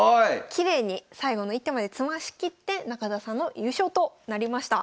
きれいに最後の一手まで詰ましきって中澤さんの優勝となりました。